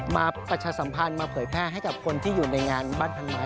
ประชาสัมพันธ์มาเผยแพร่ให้กับคนที่อยู่ในงานบ้านพันไม้